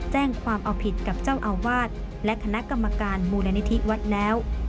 แจ้งความเอาผิดกับเจ้าอาวาสและคณะกรรมการมูลนิธิวัดแล้ว